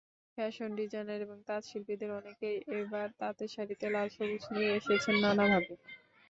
Fashion designer এবং তাঁতশিল্পীদের অনেকেই এবার তাঁতের শাড়িতে লাল–সবুজ নিয়ে এসেছেন নানাভাবে।